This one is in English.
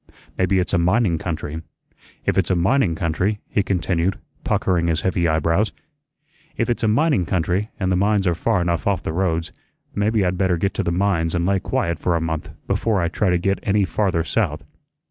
Maybe it's a mining country. If it's a mining country," he continued, puckering his heavy eyebrows, "if it's a mining country, an' the mines are far enough off the roads, maybe I'd better get to the mines an' lay quiet for a month before I try to get any farther south."